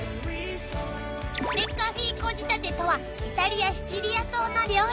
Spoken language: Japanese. ［ベッカフィーコ仕立てとはイタリアシチリア島の料理］